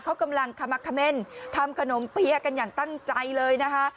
เขากำลังขมักเขม่นทำขนมเปี๊ยะกันอย่างตั้งใจเลยนะคะ